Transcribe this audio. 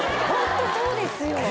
本当、そうですよ。